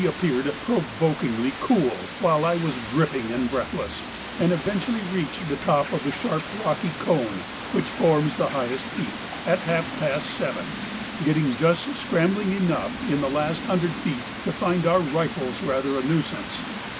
appeared provokingly cool while I was dripping and breathless, and eventually reached the top of the sharp rocky cone which forms the highest peak, at half past seven, getting just scrambling enough in the last hundred feet to find our rifles rather a nuisance.